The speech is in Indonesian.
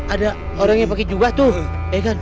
ada orang yang pakai juga tuh